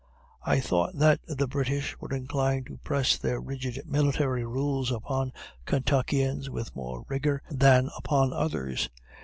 I thought that the British were inclined to press their rigid military rules upon Kentuckians with more rigor than upon others.